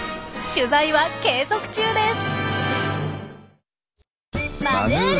取材は継続中です！